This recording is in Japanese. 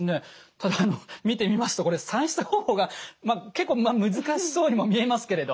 ただあの見てみますとこれ算出方法が結構難しそうにも見えますけれど。